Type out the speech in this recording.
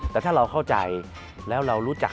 แต่ถ้าเราเข้าใจแล้วเรารู้จัก